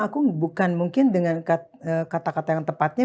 aku bukan mungkin dengan kata kata yang tepatnya